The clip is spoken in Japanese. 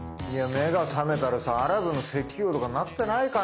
目が覚めたらさアラブの石油王とかなってないかね。